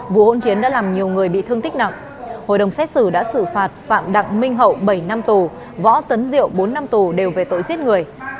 vụ hỗn chiến đã làm nhiều người bị thương tích nặng hội đồng xét xử đã xử phạt phạm đặng minh hậu bảy năm tù võ tấn diệu bốn năm tù đều về tội giết người